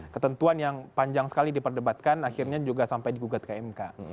ketentuan yang panjang sekali diperdebatkan akhirnya juga sampai di gugat kmk